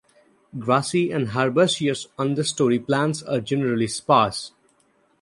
Grassy and herbaceous understory plants are generally sparse.